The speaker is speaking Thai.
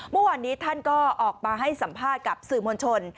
เมื่อวานนี้ท่านก็ออกมาให้สัมภาษณ์กับสื่อมวลชน